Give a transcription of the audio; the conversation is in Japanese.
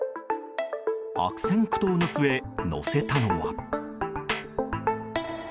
悪戦苦闘の末、載せたのは。